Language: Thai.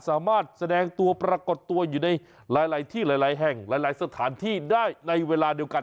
แสดงตัวปรากฏตัวอยู่ในหลายที่หลายแห่งหลายสถานที่ได้ในเวลาเดียวกัน